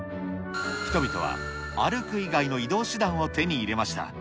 人々は歩く以外の移動手段を手に入れました。